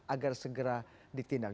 agar segera ditindak